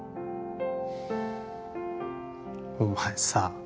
お前さ